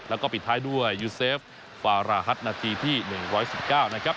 แล้วก็ปิดท้ายด้วยยูเซฟฟาราฮัตนาทีที่หนึ่งร้อยสิบเก้านะครับ